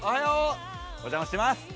お邪魔してます。